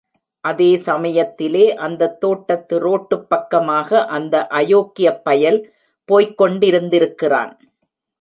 அதே சமயத்திலே அந்தத் தோட்டத்து ரோட்டுப் பக்கமாக அந்த அயோக்கியப் பயல் போய்க் கொண்டிருந்திருக்கிறான்.